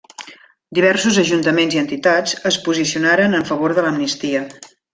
Diversos ajuntaments i entitats es posicionaren en favor de l'amnistia.